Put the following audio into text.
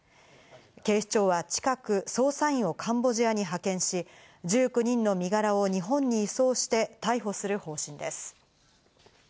警視庁は近く捜査員をカンボジアに派遣し、１９人の身柄を日本に移送して逮捕する方針です。